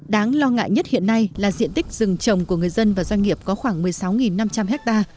đáng lo ngại nhất hiện nay là diện tích rừng trồng của người dân và doanh nghiệp có khoảng một mươi sáu năm trăm linh ha